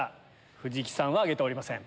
藤木さんは挙げておりません。